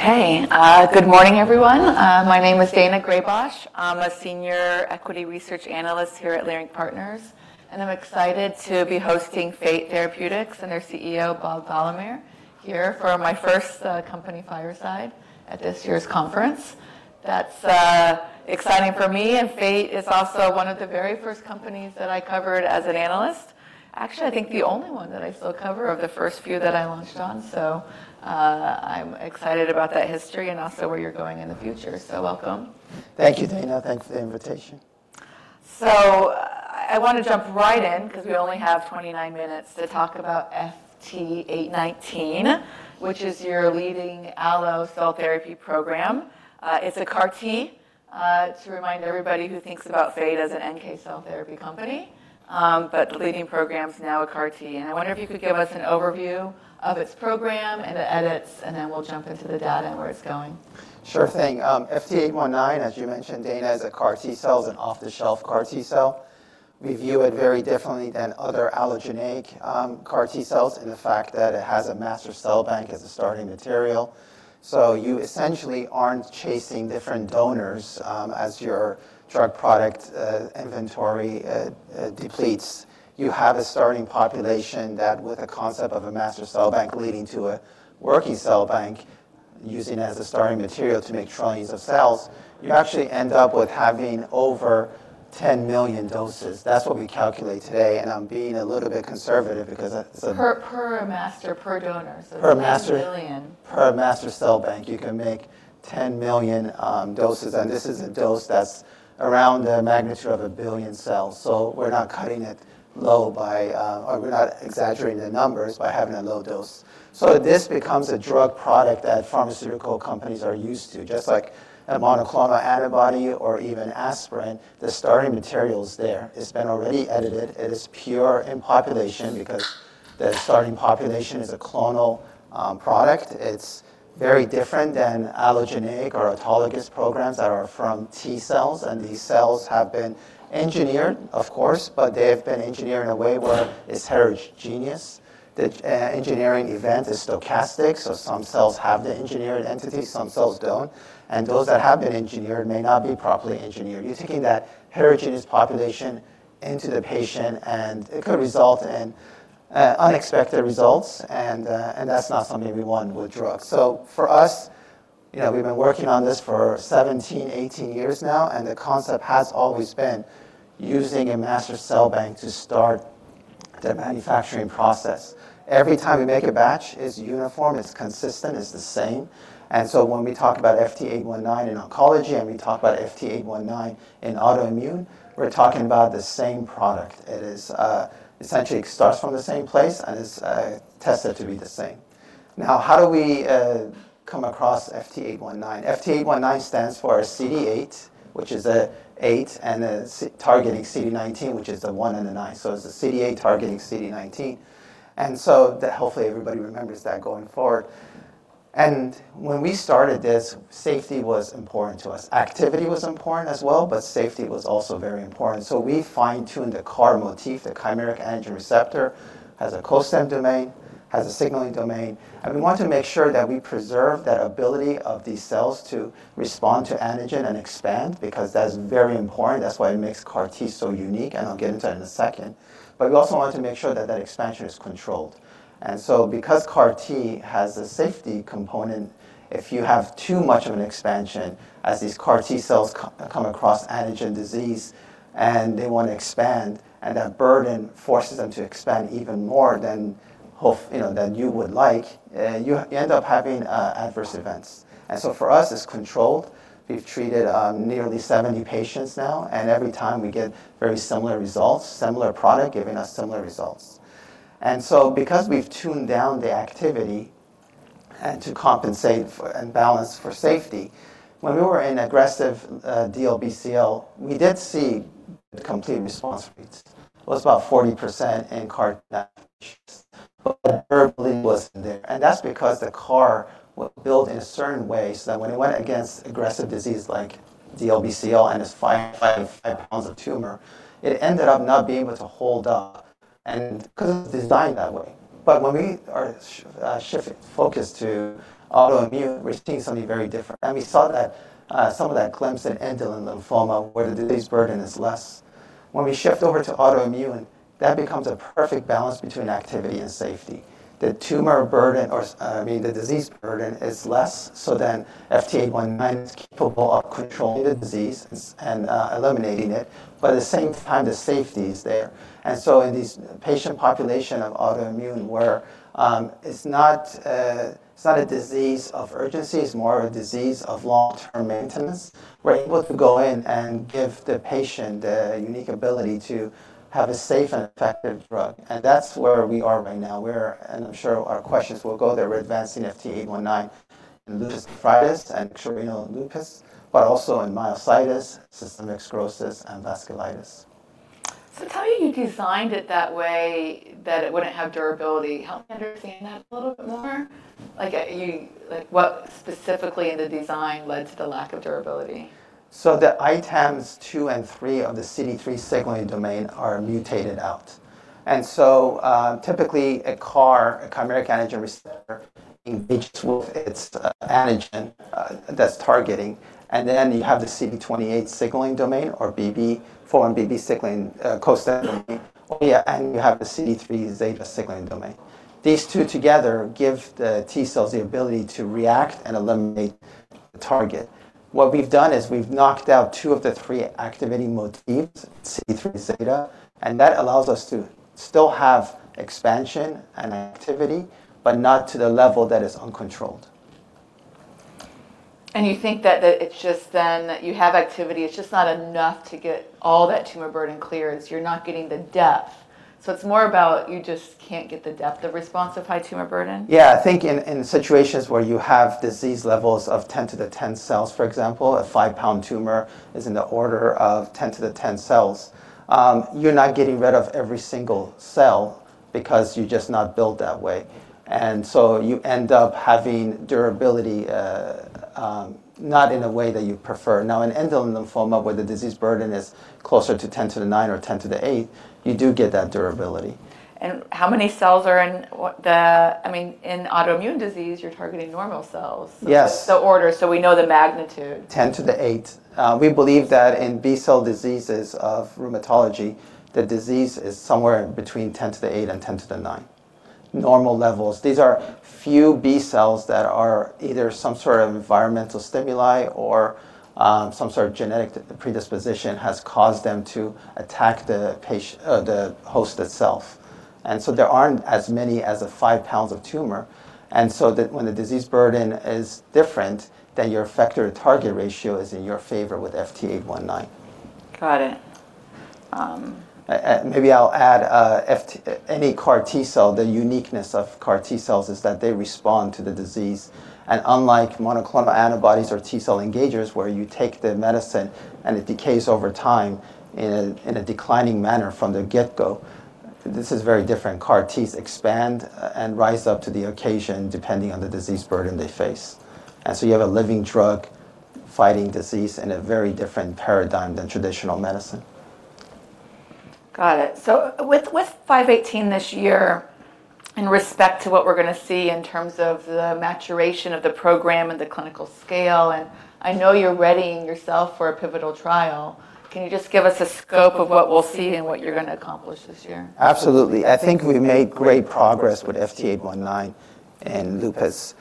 Good morning, everyone. My name is Daina Graybosch. I'm a Senior Equity Research Analyst here at Leerink Partners, and I'm excited to be hosting Fate Therapeutics and their CEO, Bob Valamehr, here for my first company fireside at this year's conference. That's exciting for me, and Fate is also one of the very first companies that I covered as an analyst. Actually, I think the only one that I still cover of the first few that I launched on. I'm excited about that history and also where you're going in the future. Welcome. Thank you, Daina. Thanks for the invitation. I wanna jump right in 'cause we only have 29 minutes to talk about FT819, which is your leading allogeneic cell therapy program. It's a CAR T, to remind everybody who thinks about Fate as an NK cell therapy company. The leading program's now a CAR T. I wonder if you could give us an overview of its program and the edits, then we'll jump into the data and where it's going. Sure thing. FT819, as you mentioned, Daina, is a CAR T-cell, is an off-the-shelf CAR T-cell. We view it very differently than other allogeneic, CAR T-cells in the fact that it has a master cell bank as a starting material. You essentially aren't chasing different donors, as your drug product, inventory, depletes. You have a starting population that with the concept of a master cell bank leading to a working cell bank using as a starting material to make trillions of cells, you actually end up with having over 10 million doses. That's what we calculate today, and I'm being a little bit conservative because that's. Per master, per donor. Per master- $10 million. Per master cell bank, you can make 10 million doses, and this is a dose that's around the magnitude of 1 billion cells. We're not cutting it low by, or we're not exaggerating the numbers by having a low dose. This becomes a drug product that pharmaceutical companies are used to. Just like a monoclonal antibody or even aspirin, the starting material is there. It's been already edited. It is pure in population because the starting population is a clonal product. It's very different than allogeneic or autologous programs that are from T-cells, and these cells have been engineered, of course, but they have been engineered in a way where it's heterogeneous. The e-engineering event is stochastic, so some cells have the engineered entity, some cells don't, and those that have been engineered may not be properly engineered. You're taking that heterogeneous population into the patient, and it could result in unexpected results, and that's not something we want with drugs. For us, you know, we've been working on this for 17 years, 18 years now, and the concept has always been using a master cell bank to start the manufacturing process. Every time we make a batch, it's uniform, it's consistent, it's the same. When we talk about FT819 in oncology, and we talk about FT819 in autoimmune, we're talking about the same product. It is essentially it starts from the same place and is tested to be the same. How do we come across FT819? FT819 stands for CD8, which is a 8, and it's targeting CD19, which is the 1 and the 9. It's a CD8 targeting CD19. Hopefully everybody remembers that going forward. When we started this, safety was important to us. Activity was important as well, but safety was also very important. We fine-tuned the CAR motif, the chimeric antigen receptor, has a costim domain, has a signaling domain, and we want to make sure that we preserve that ability of these cells to respond to antigen and expand because that's very important. That's why it makes CAR T so unique, and I'll get into that in a second. We also wanted to make sure that that expansion is controlled. Because CAR T has a safety component, if you have too much of an expansion, as these CAR T-cells come across antigen disease and they wanna expand, and that burden forces them to expand even more than you know, than you would like, you end up having adverse events. For us, it's controlled. We've treated nearly 70 patients now, and every time we get very similar results, similar product giving us similar results. Because we've tuned down the activity to compensate for and balance for safety, when we were in aggressive DLBCL, we did see the complete response rates. It was about 40% in CAR patients, but the durability wasn't there. That's because the CAR built in a certain way, so that when it went against aggressive disease like DLBCL and its 5 lbs of tumor, it ended up not being able to hold up 'cause it was designed that way. When we are shifting focus to autoimmune, we're seeing something very different. We saw that some of that glimpse in indolent lymphoma where the disease burden is less. When we shift over to autoimmune, that becomes a perfect balance between activity and safety. The tumor burden I mean, the disease burden is less, FT819 is capable of controlling the disease and eliminating it. At the same time, the safety is there. In this patient population of autoimmune where it's not a disease of urgency, it's more a disease of long-term maintenance. We're able to go in and give the patient a unique ability to have a safe and effective drug. That's where we are right now. We're advancing FT819 in lupus nephritis and renal lupus, but also in myositis, systemic sclerosis, and vasculitis. Tell me how you designed it that way that it wouldn't have durability. Help me understand that a little bit more. Like what specifically in the design led to the lack of durability? The items two and three of the CD3 signaling domain are mutated out. Typically a CAR, a chimeric antigen receptor, engages with its antigen that's targeting, and then you have the CD28 signaling domain or 4-1BB, 4-1BB signaling co-stimulatory, and you have the CD3ζ signaling domain. These two together give the T cells the ability to react and eliminate the target. What we've done is we've knocked out two of the three activating motifs, CD3ζ, and that allows us to still have expansion and activity, but not to the level that is uncontrolled. You think that it's just then you have activity, it's just not enough to get all that tumor burden clearance. You're not getting the depth. It's more about you just can't get the depth of response of high tumor burden? Yeah. I think in situations where you have disease levels of 10 to the 10 cells, for example, a 5-lb tumor is in the order of 10 to the 10 cells, you're not getting rid of every single cell because you're just not built that way. You end up having durability, not in a way that you prefer. In indolent lymphoma, where the disease burden is closer to 10 to the nine or 10 to the eight, you do get that durability. How many cells are in I mean, in autoimmune disease, you're targeting normal cells. Yes. The order, so we know the magnitude. 10 to the eight. We believe that in B cell diseases of rheumatology, the disease is somewhere between 10 to the eight and 10 to the nine. Normal levels, these are few B cells that are either some sort of environmental stimuli or, some sort of genetic predisposition has caused them to attack the host itself. There aren't as many as the 5 lbs of tumor. When the disease burden is different, then your effector target ratio is in your favor with FT819. Got it. Maybe I'll add any CAR T cell, the uniqueness of CAR T cells is that they respond to the disease. Unlike monoclonal antibodies or T-cell engagers, where you take the medicine and it decays over time in a declining manner from the get-go, this is very different. CAR Ts expand and rise up to the occasion depending on the disease burden they face. You have a living drug fighting disease in a very different paradigm than traditional medicine. Got it. With FT819 this year, in respect to what we're gonna see in terms of the maturation of the program and the clinical scale, and I know you're readying yourself for a pivotal trial, can you just give us a scope of what we'll see and what you're gonna accomplish this year? Absolutely. I think we made great progress with FT819 in lupus.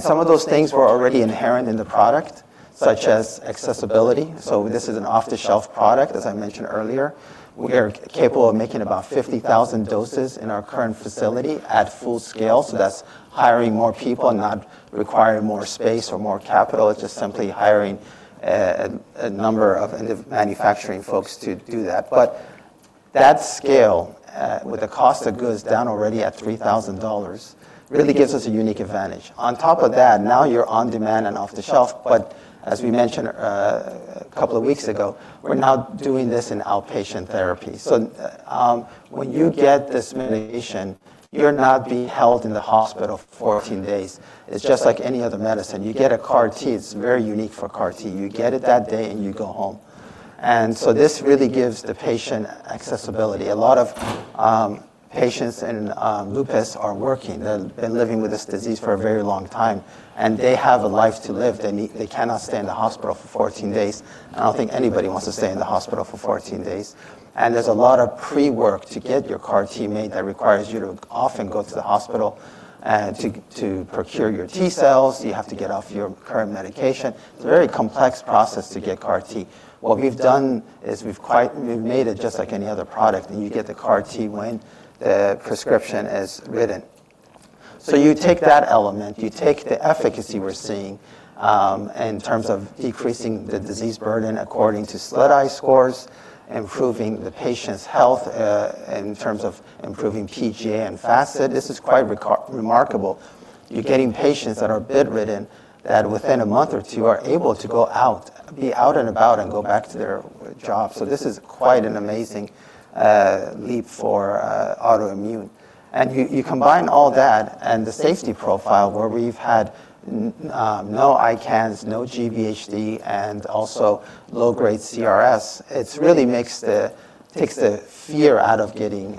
Some of those things were already inherent in the product, such as accessibility. This is an off-the-shelf product, as I mentioned earlier. We are capable of making about 50,000 doses in our current facility at full scale. That's hiring more people, not requiring more space or more capital. It's just simply hiring a number of manufacturing folks to do that. That scale, with the cost of goods down already at $3,000 really gives us a unique advantage. On top of that, now you're on-demand and off-the-shelf, but as we mentioned a couple of weeks ago, we're now doing this in outpatient therapy. When you get this medication, you're not being held in the hospital 14 days. It's just like any other medicine. You get a CAR T, it's very unique for CAR T. You get it that day, and you go home. This really gives the patient accessibility. A lot of patients in lupus are working. They've been living with this disease for a very long time, and they have a life to live. They cannot stay in the hospital for 14 days. I don't think anybody wants to stay in the hospital for 14 days. There's a lot of pre-work to get your CAR T made that requires you to often go to the hospital to procure your T cells. You have to get off your current medication. It's a very complex process to get CAR T. What we've done is we've made it just like any other product, and you get the CAR T when the prescription is written. You take that element, you take the efficacy we're seeing in terms of decreasing the disease burden according to SLEDAI scores, improving the patient's health in terms of improving PGA and FACIT-fatigue. This is quite remarkable. You're getting patients that are bedridden that within a month or two are able to go out, be out and about and go back to their jobs. This is quite an amazing leap for autoimmune. You combine all that and the safety profile where we've had no ICANS, no GVHD, and also low-grade CRS, it's really takes the fear out of getting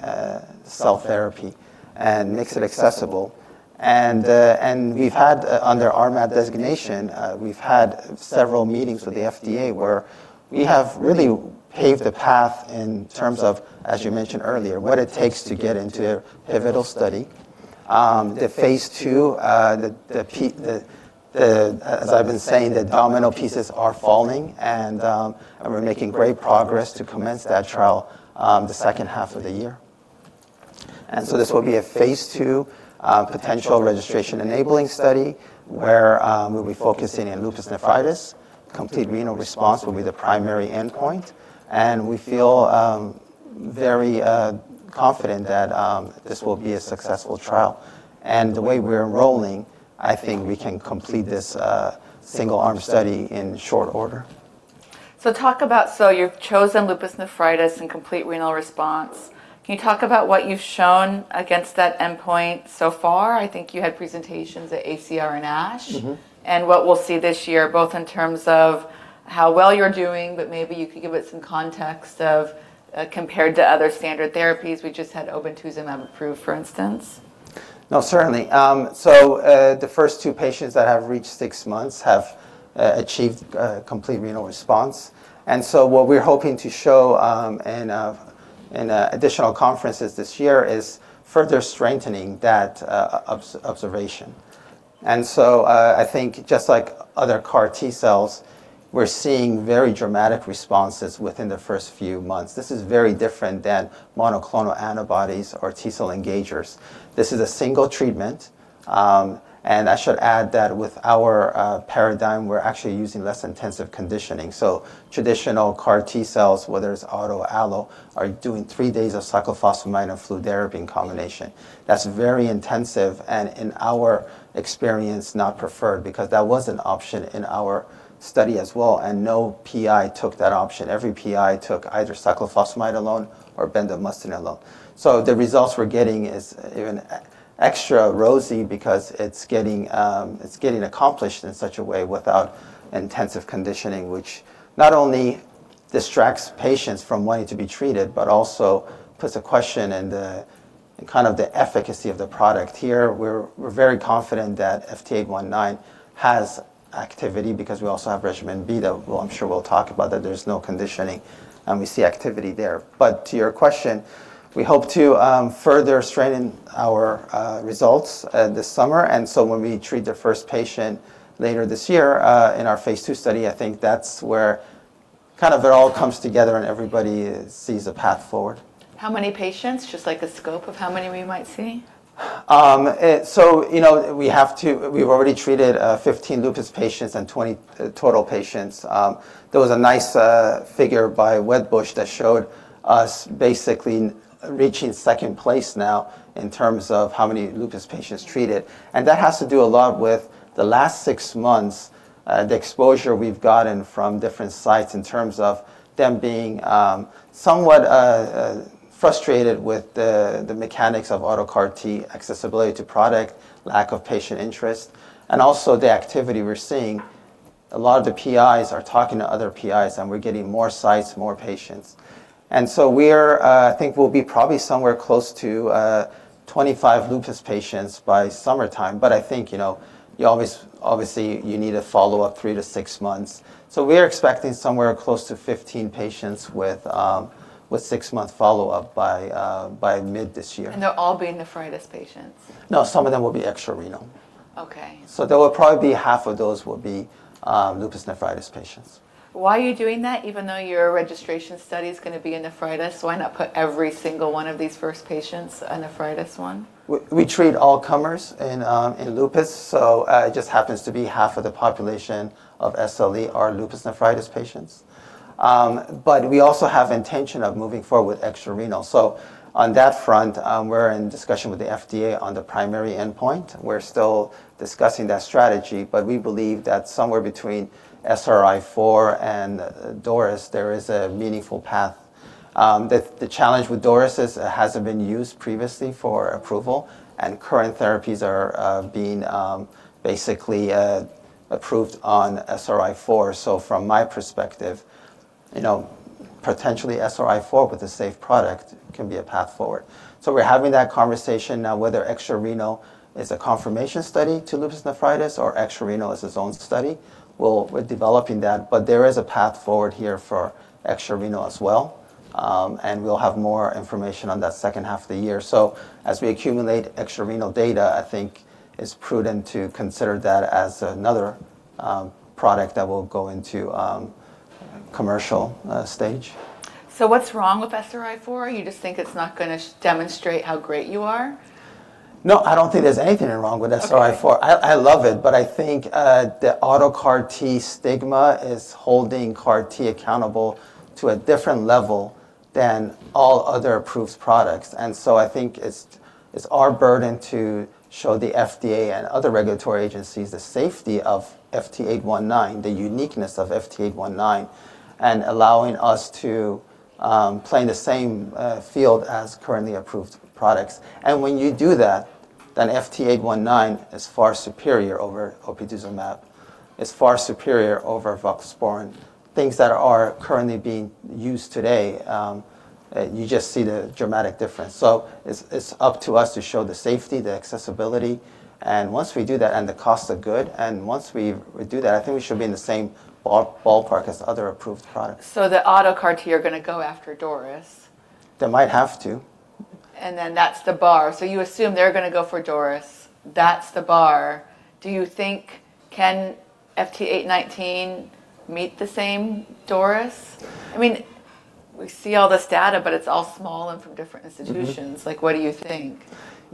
cell therapy and makes it accessible. We've had, under RMAT designation, we've had several meetings with the FDA where we have really paved the path in terms of, as you mentioned earlier, what it takes to get into a pivotal study. The phase II, the, as I've been saying, the domino pieces are falling and we're making great progress to commence that trial the second half of the year. This will be a phase II potential registration enabling study where we'll be focusing on lupus nephritis. Complete renal response will be the primary endpoint. We feel very confident that this will be a successful trial. The way we're enrolling, I think we can complete this single-arm study in short order. Talk about, so you've chosen lupus nephritis and complete renal response. Can you talk about what you've shown against that endpoint so far? I think you had presentations at ACR and ASH. Mm-hmm. What we'll see this year both in terms of how well you're doing, but maybe you could give it some context of compared to other standard therapies? We just had obinutuzumab approved, for instance. No, certainly. The first two patients that have reached six months have achieved a complete renal response. What we're hoping to show in additional conferences this year is further strengthening that observation. I think just like other CAR T-cells, we're seeing very dramatic responses within the first few months. This is very different than monoclonal antibodies or T-cell engagers. This is a single treatment, and I should add that with our paradigm, we're actually using less intensive conditioning. Traditional CAR T-cells, whether it's auto, allo, are doing three days of cyclophosphamide and fludarabine combination. That's very intensive, and in our experience, not preferred because that was an option in our study as well, and no PI took that option. Every PI took either cyclophosphamide alone or bendamustine alone. The results we're getting is even extra rosy because it's getting accomplished in such a way without intensive conditioning, which not only distracts patients from wanting to be treated, but also puts a question in the efficacy of the product. Here, we're very confident that FT819 has activity because we also have Regimen B that well, I'm sure we'll talk about that there's no conditioning, and we see activity there. To your question, we hope to further strengthen our results this summer. When we treat the first patient later this year, in our phase II study, I think that's where kind of it all comes together and everybody sees a path forward. How many patients? Just like the scope of how many we might see. You know, we've already treated 15 lupus patients and 20 total patients. There was a nice figure by Wedbush that showed us basically reaching second place now in terms of how many lupus patients treated. That has to do a lot with the last six months, the exposure we've gotten from different sites in terms of them being somewhat frustrated with the mechanics of auto CAR T accessibility to product, lack of patient interest, and also the activity we're seeing. A lot of the PIs are talking to other PIs, and we're getting more sites, more patients. We're, I think we'll be probably somewhere close to 25 lupus patients by summertime, but I think, you know, you obviously, you need a follow-up three to six months. We're expecting somewhere close to 15 patients with six-month follow-up by mid this year. They'll all be nephritis patients? No, some of them will be extra-renal. Okay. There will probably be half of those will be, lupus nephritis patients. Why are you doing that even though your registration study is gonna be in nephritis? Why not put every single one of these first patients a nephritis one? We treat all comers in lupus. It just happens to be half of the population of SLE are lupus nephritis patients. We also have intention of moving forward with extra-renal. On that front, we're in discussion with the FDA on the primary endpoint. We're still discussing that strategy, but we believe that somewhere between SRI-4 and DORIS, there is a meaningful path. The challenge with DORIS is it hasn't been used previously for approval, and current therapies are being basically approved on SRI-4. From my perspective, you know, potentially SRI-4 with a safe product can be a path forward. We're having that conversation now whether extra-renal is a confirmation study to lupus nephritis or extra-renal is its own study. We're developing that, but there is a path forward here for extra-renal as well. We'll have more information on that second half of the year. As we accumulate extra-renal data, I think it's prudent to consider that as another product that will go into commercial stage. What's wrong with SRI-4? You just think it's not gonna demonstrate how great you are? No, I don't think there's anything wrong with SRI-4. Okay. I love it, but I think the auto CAR T stigma is holding CAR T accountable to a different level than all other approved products. I think it's our burden to show the FDA and other regulatory agencies the safety of FT819, the uniqueness of FT819, and allowing us to play in the same field as currently approved products. When you do that, FT819 is far superior over obinutuzumab, is far superior over voclosporin, things that are currently being used today. You just see the dramatic difference. It's, it's up to us to show the safety, the accessibility, and once we do that, and the costs are good, and once we do that, I think we should be in the same ballpark as other approved products. The auto CAR T are gonna go after DORIS. They might have to. That's the bar. You assume they're gonna go for DORIS. That's the bar. Do you think, can FT819 meet the same DORIS? I mean, we see all this data, but it's all small and from different institutions. Mm-hmm. Like, what do you think?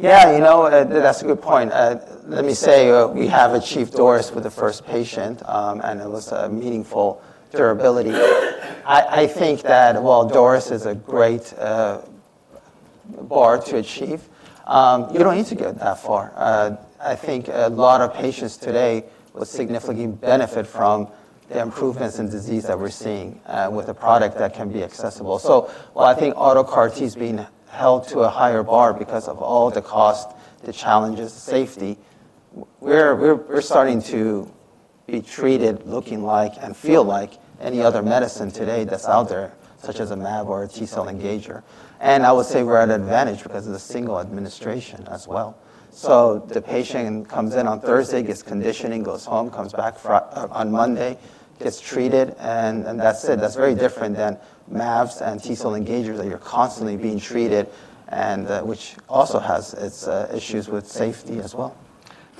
Yeah, you know, that's a good point. Let me say, we have achieved DORIS with the first patient, and it was a meaningful durability. I think that while DORIS is a great bar to achieve, you don't need to go that far. I think a lot of patients today will significantly benefit from the improvements in disease that we're seeing, with a product that can be accessible. While I think auto CAR T's being held to a higher bar because of all the cost, the challenges, safety, we're starting to be treated looking like and feel like any other medicine today that's out there, such as a mAb or a T-cell engager. I would say we're at an advantage because of the single administration as well. The patient comes in on Thursday, gets conditioning, goes home, comes back on Monday, gets treated, and that's it. That's very different than mAbs and T-cell engagers that you're constantly being treated and which also has its issues with safety as well.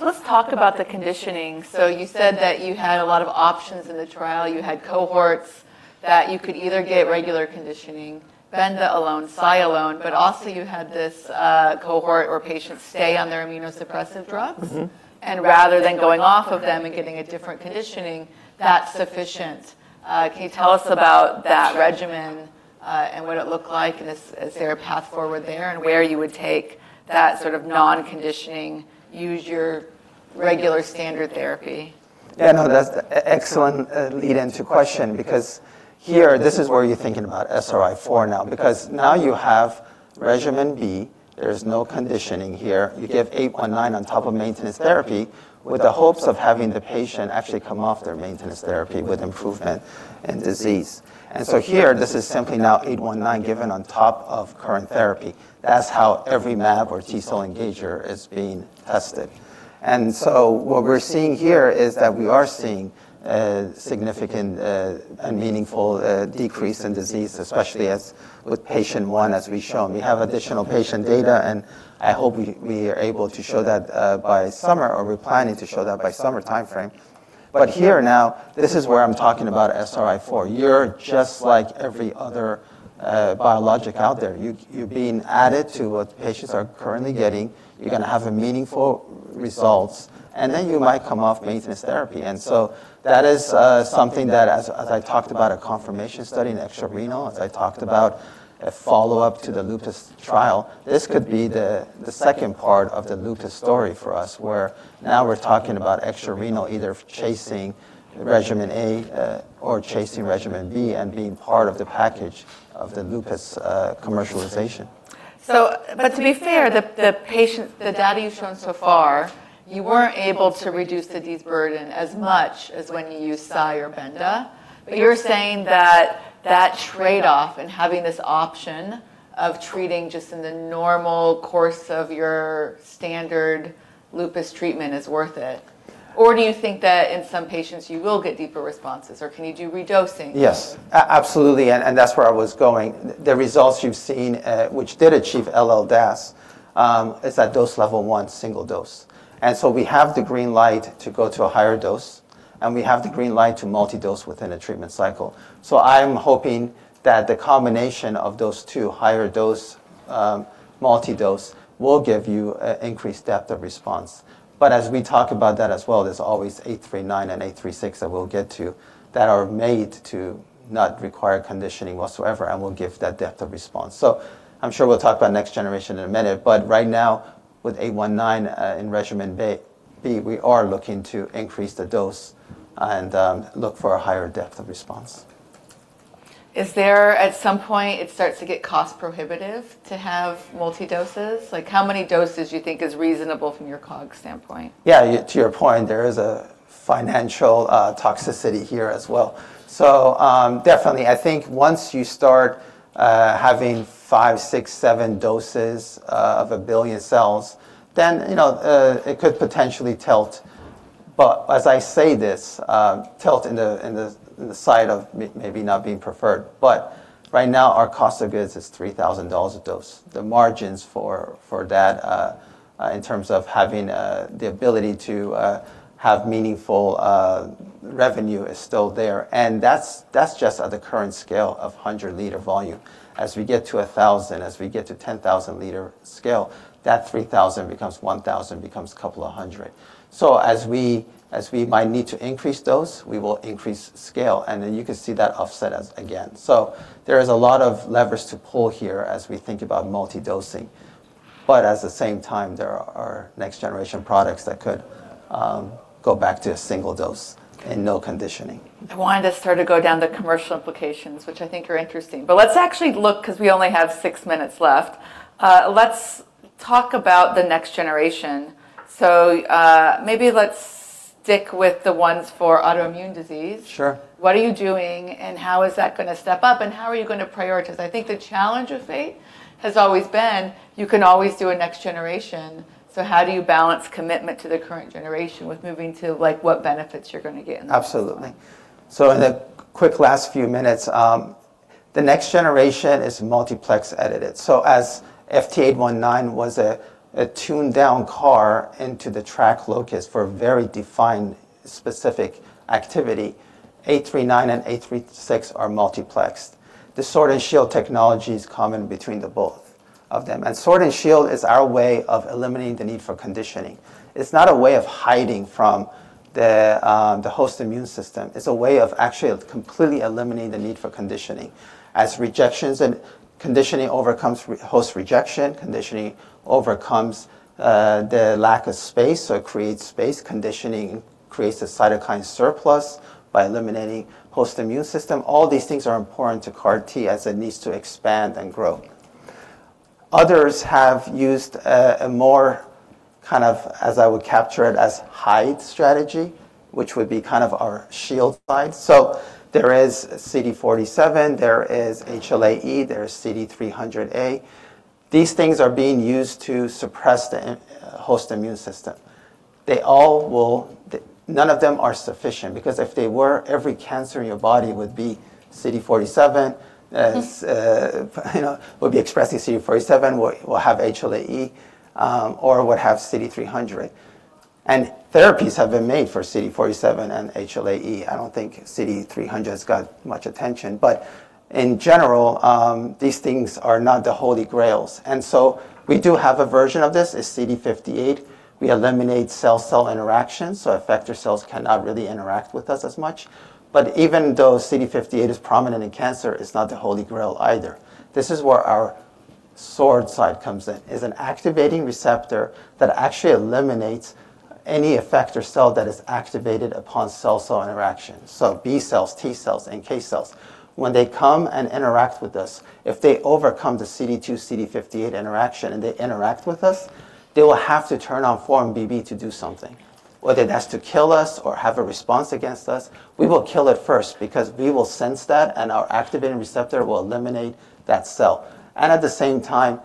Let's talk about the conditioning. You said that you had a lot of options in the trial. You had cohorts that you could either get regular conditioning, Benda alone, Cy alone, also you had this cohort or patients stay on their immunosuppressive drugs. Mm-hmm. Rather than going off of them and getting a different conditioning, that's sufficient. Can you tell us about that regimen, and what it looked like? Is there a path forward there and where you would take that sort of non-conditioning, use your regular standard therapy? That's excellent, lead into question because here this is where you're thinking about SRI-4 now because now you have Regimen B. There's no conditioning here. You give FT819 on top of maintenance therapy with the hopes of having the patient actually come off their maintenance therapy with improvement in disease. Here, this is simply now FT819 given on top of current therapy. That's how every mAb or T-cell engager is being tested. What we're seeing here is that we are seeing a significant, and meaningful, decrease in disease, especially as with patient one, as we've shown. We have additional patient data, and I hope we are able to show that by summer, or we're planning to show that by summer timeframe. Here now, this is where I'm talking about SRI-4. You're just like every other biologic out there. You, you're being added to what patients are currently getting. You're gonna have a meaningful results, and then you might come off maintenance therapy. That is something that as I talked about a confirmation study in extrarenal, as I talked about a follow-up to the lupus trial, this could be the second part of the lupus story for us, where now we're talking about extrarenal either chasing regimen A, or chasing Regimen B and being part of the package of the lupus, commercialization. But to be fair, the data you've shown so far, you weren't able to reduce the disease burden as much as when you used Cy or Benda. Mm-hmm. You're saying that that trade-off and having this option of treating just in the normal course of your standard lupus treatment is worth it. Or do you think that in some patients you will get deeper responses, or can you do redosing? Yes. Absolutely, and that's where I was going. The results you've seen, which did achieve LDAS, is at dose level 1, single dose. We have the green light to go to a higher dose, and we have the green light to multi-dose within a treatment cycle. I'm hoping that the combination of those two, higher dose, multi-dose, will give you increased depth of response. As we talk about that as well, there's always FT839 and FT836 that we'll get to that are made to not require conditioning whatsoever and will give that depth of response. I'm sure we'll talk about next generation in a minute, but right now with FT819, in Regimen B, we are looking to increase the dose and look for a higher depth of response. Is there at some point it starts to get cost prohibitive to have multi-doses? Like, how many doses do you think is reasonable from your cog standpoint? To your point, there is a financial toxicity here as well. Definitely. I think once you start having five doses, six doses, seven doses of 1 billion cells, then, you know, it could potentially tilt. As I say this, tilt in the side of maybe not being preferred. Right now, our cost of goods is $3,000 a dose. The margins for that, in terms of having the ability to have meaningful revenue is still there. That's just at the current scale of 100 L volume. As we get to 1,000 L, as we get to 10,000 L scale, that 3,000 L becomes 1,000 L, becomes couple of hundred. As we might need to increase dose, we will increase scale, and then you can see that offset as again. There is a lot of levers to pull here as we think about multi-dosing. At the same time, there are next generation products that could go back to a single dose and no conditioning. I want to start to go down the commercial implications, which I think are interesting. Let's actually look because we only have six minutes left. Let's talk about the next generation. Maybe let's stick with the ones for autoimmune disease. Sure. What are you doing, and how is that gonna step up, and how are you gonna prioritize? I think the challenge with it has always been you can always do a next generation. How do you balance commitment to the current generation with moving to, like, what benefits you're gonna get? Absolutely. In the quick last few minutes, the next generation is multiplex edited. As FT819 was a tuned-down CAR into the TRAC locus for very defined specific activity, FT839 and FT836 are multiplexed. The Sword and Shield technology is common between the both of them. Sword and Shield is our way of eliminating the need for conditioning. It's not a way of hiding from the host immune system. It's a way of actually of completely eliminating the need for conditioning. As rejections and conditioning overcomes re-host rejection, conditioning overcomes the lack of space or creates space, conditioning creates a cytokine surplus by eliminating host immune system. All these things are important to CAR T as it needs to expand and grow. Others have used a more kind of, as I would capture it, as hide strategy, which would be kind of our Sword and Shield side. There is CD47, there is HLA-E, there's CD300a. These things are being used to suppress the in-host immune system. They all None of them are sufficient because if they were, every cancer in your body would be CD47, you know, would be expressing CD47, would have HLA-E, or would have CD300. Therapies have been made for CD47 and HLA-E. I don't think CD300's got much attention. In general, these things are not the holy grails. We do have a version of this. It's CD58. We eliminate cell-cell interactions, so effector cells cannot really interact with us as much. Even though CD58 is prominent in cancer, it's not the holy grail either. This is where our sword side comes in. It's an activating receptor that actually eliminates any effector cell that is activated upon cell-cell interactions. B cells, T cells, and NK cells, when they come and interact with us, if they overcome the CD2, CD58 interaction, and they interact with us, they will have to turn on 4-1BB to do something. Whether it has to kill us or have a response against us, we will kill it first because we will sense that, and our activating receptor will eliminate that cell and at the same time,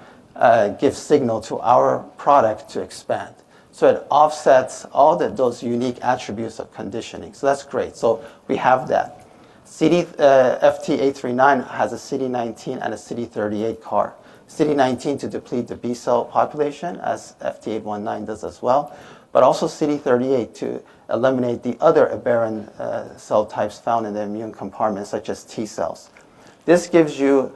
give signal to our product to expand. It offsets all the, those unique attributes of conditioning. That's great. We have that. CD FT839 has a CD19 and a CD38 CAR. CD19 to deplete the B cell population as FT819 does as well, but also CD38 to eliminate the other aberrant cell types found in the immune compartment such as T cells. This gives you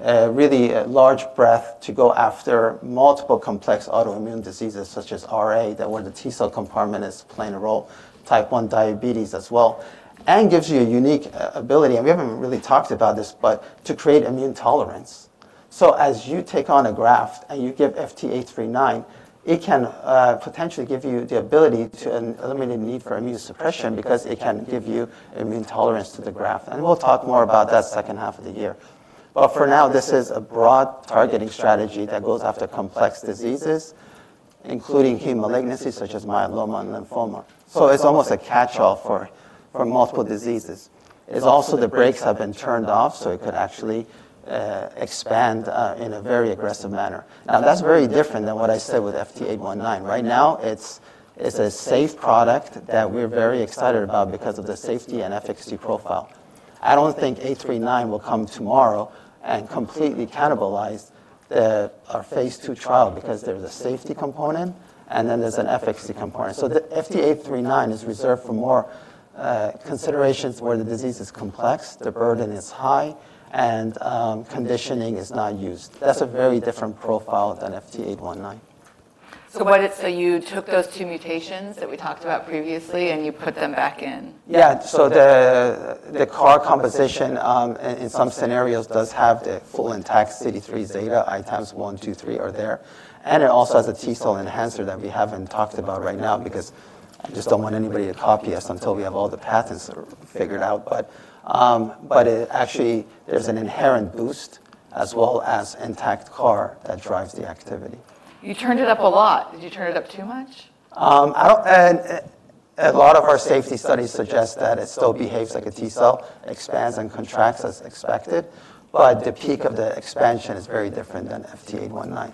really a large breadth to go after multiple complex autoimmune diseases such as RA, that where the T cell compartment is playing a role, type 1 diabetes as well, and gives you a unique ability, and we haven't really talked about this, but to create immune tolerance. As you take on a graft and you give FT839, it can potentially give you the ability to eliminate the need for immune suppression because it can give you immune tolerance to the graft. We'll talk more about that second half of the year. For now, this is a broad targeting strategy that goes after complex diseases, including hematologic malignancies such as myeloma and lymphoma. It's almost a catchall for multiple diseases. It's also the brakes have been turned off, so it could actually expand in a very aggressive manner. Now, that's very different than what I said with FT819. Right now it's a safe product that we're very excited about because of the safety and efficacy profile. I don't think FT839 will come tomorrow and completely cannibalize our phase II trial because there's a safety component and then there's an efficacy component. The FT839 is reserved for more considerations where the disease is complex, the burden is high and conditioning is not used. That's a very different profile than FT819. You took those two mutations that we talked about previously, and you put them back in? Yeah. The, the CAR composition, in some scenarios does have the full intact CD3ζ ITAMs 1, 2, 3 are there, and it also has a T cell enhancer that we haven't talked about right now because I just don't want anybody to copy us until we have all the patents figured out. It actually, there's an inherent boost as well as intact CAR that drives the activity. You turned it up a lot. Did you turn it up too much? A lot of our safety studies suggest that it still behaves like a T cell. It expands and contracts as expected, but the peak of the expansion is very different than FT819.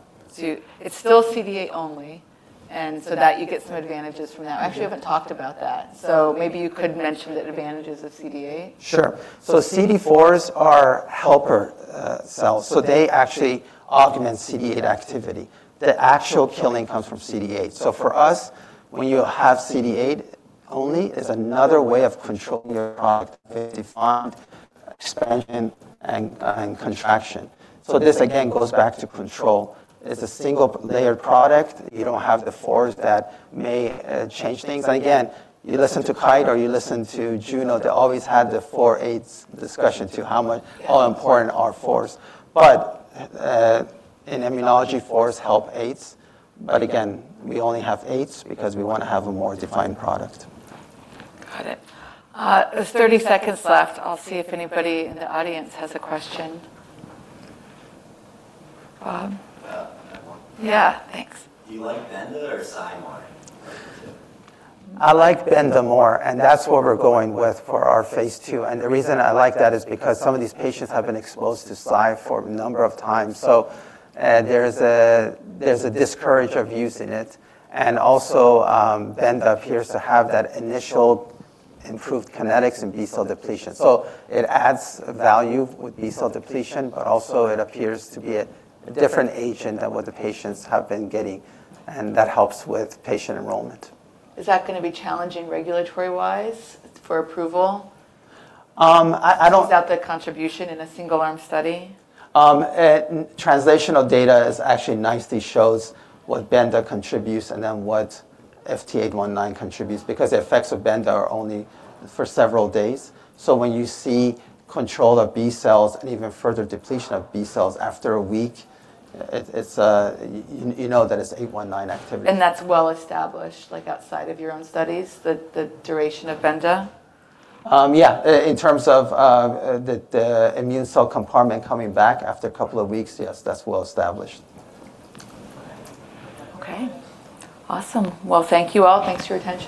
It's still CD8 only, and so that you get some advantages from that. Yeah. I actually haven't talked about that, so maybe you could mention the advantages of CD8. Sure. CD4s are helper, cells, so they actually augment CD8 activity. The actual killing comes from CD8. For us, when you have CD8 only is another way of controlling your product, the defined expansion and contraction. This again goes back to control. It's a single-layered product. You don't have the CD4s that may, change things. Again, you listen to Kite or you listen to Juno, they always had the CD4 CD8s discussion to how much- Yeah. how important are fours. In immunology, fours help eights. Again, we only have eights because we wanna have a more defined product. Got it. There's 30 seconds left. I'll see if anybody in the audience has a question. Bob? Yeah. I have one. Yeah. Thanks. Do you like Benda or cyclophosphamide? I like Benda more. That's what we're going with for our phase II. The reason I like that is because some of these patients have been exposed to Cy for a number of times. There's a discourage of using it. Also, Benda appears to have that initial improved kinetics in B cell depletion. It adds value with B cell depletion, but also it appears to be a different agent than what the patients have been getting, and that helps with patient enrollment. Is that gonna be challenging regulatory-wise for approval? I don't- Without the contribution in a single arm study? Translational data is actually nicely shows what Benda contributes and then what FT819 contributes because the effects of Benda are only for several days. When you see control of B cells and even further depletion of B cells after a week, it's you know that it's FT819 activity. That's well established, like outside of your own studies, the duration of Benda? Yeah. In terms of the immune cell compartment coming back after a couple of weeks, yes, that's well established. Okay. Awesome. Well, thank you all. Thanks for your attention.